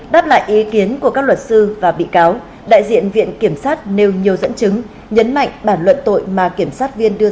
đáp lại ý kiến của các luật sư và bị cáo đại diện viện kiểm sát nêu nhiều dẫn chứng nhấn mạnh bản luận tội mà kiểm sát viên đưa ra